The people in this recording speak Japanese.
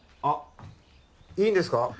あっいいんですか？